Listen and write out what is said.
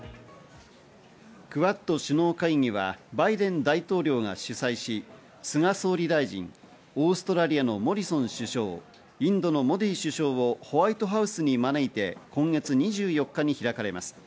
クアッド首脳会議はバイデン大統領が主催し、菅総大臣、オーストラリアのモリソン首相、インドのモディ首相をホワイトハウスに招いて今月２４日に開かれます。